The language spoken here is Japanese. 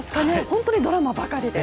本当にドラマばかりで。